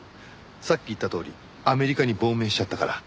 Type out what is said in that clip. さっき言ったとおりアメリカに亡命しちゃったから。